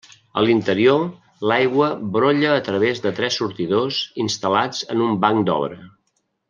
A l'interior, l'aigua brolla a través de tres sortidors instal·lats en un banc d'obra.